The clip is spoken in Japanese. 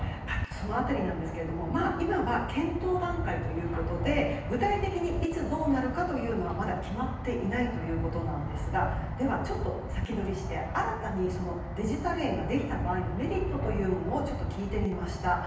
その辺りですが今は検討段階ということで具体的にいつ、どうなるかというのはまだ決まっていないということなんですがでは、ちょっと先取りして新たにデジタル円ができた場合のメリットというものをちょっと聞いてみました。